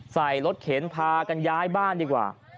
ใส่รถเข็นพากันย้ายบ้านดีกว่า